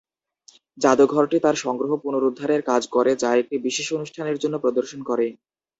জাদুঘরটি তার সংগ্রহ পুনরুদ্ধারের কাজ করে, যা এটি বিশেষ অনুষ্ঠানের জন্য প্রদর্শন করে।